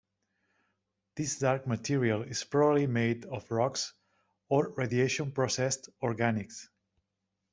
This dark material is probably made of rocks or radiation-processed organics.